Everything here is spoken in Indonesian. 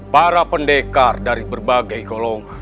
para pendekar dari berbagai golongan